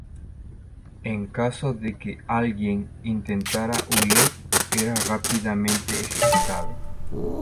En caso de que alguien intentara huir, era rápidamente ejecutado.